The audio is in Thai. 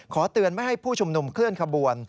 เตือนไม่ให้ผู้ชุมนุมเคลื่อนขบวน